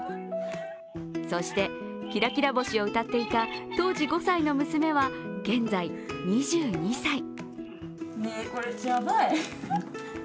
そして、「きらきらぼし」を歌っていた、当時５歳の娘は現在、２２歳。